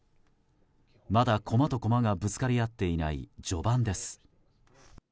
まだ駒と駒がぶつかり合っていない序盤です。